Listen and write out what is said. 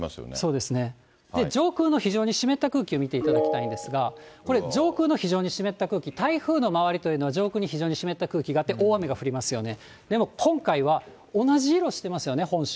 そうですね、上空の非常に湿った空気を見ていただきたいんですが、これ、上空の非常に湿った空気、台風の周りというのは、上空に非常に湿った空気があって、大雨が降りますよね。